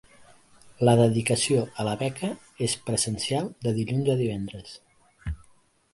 La dedicació a la beca és presencial de dilluns a divendres.